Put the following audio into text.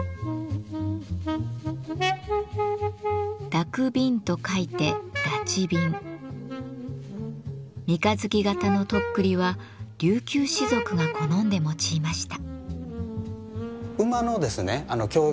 「抱く瓶」と書いて三日月型のとっくりは琉球士族が好んで用いました。